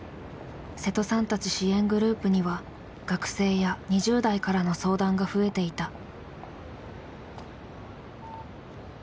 瀬戸さんたち支援グループには学生や２０代からの相談が増えていた。